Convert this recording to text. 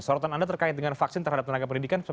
sorotan anda terkait dengan vaksin terhadap tenaga pendidikan